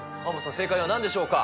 正解はなんでしょうか。